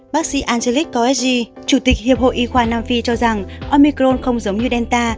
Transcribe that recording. bác sĩ angelic koegi chủ tịch hiệp hội y khoa nam phi cho rằng omicron không giống như delta